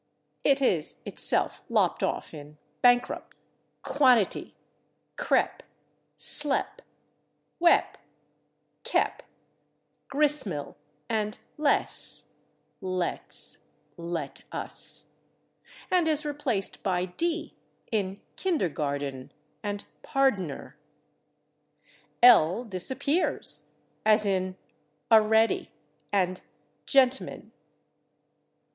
It is itself lopped off in /bankrup/, /quan'ity/, /crep/, /slep/, /wep/, /kep/, /gris' mill/ and /les/ (=/let's/ = /let us/), and is replaced by /d/ in /kindergarden/ and /pardner/. /L/ disappears, as in /a'ready/ and /gent'man